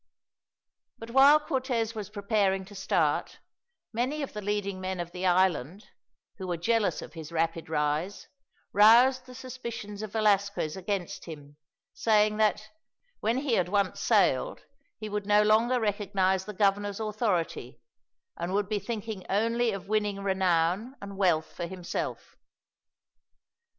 But while Cortez was preparing to start, many of the leading men of the island, who were jealous of his rapid rise, roused the suspicions of Velasquez against him; saying that, when he had once sailed, he would no longer recognize the governor's authority, and would be thinking only of winning renown and wealth for himself.